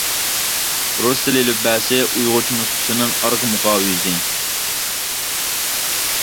«رۇس تىلى ئېلىپبەسى» ئۇيغۇرچە نۇسخىسىنىڭ ئارقا مۇقاۋا يۈزى.